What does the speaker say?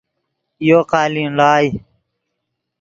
یو قالین ڑائے